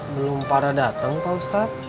belum parah datang pak ustadz